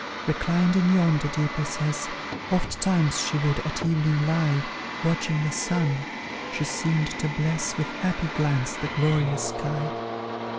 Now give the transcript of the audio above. Reclined in yonder deep recess, Ofttimes she would, at evening, lie Watching the sun; she seemed to bless With happy glance the glorious sky.